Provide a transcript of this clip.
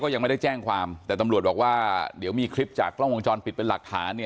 ยังไม่ได้แจ้งความแต่ตำรวจบอกว่าเดี๋ยวมีคลิปจากกล้องวงจรปิดเป็นหลักฐานเนี่ย